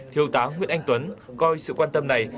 thiếu tá nguyễn anh tuấn coi sự quan tâm này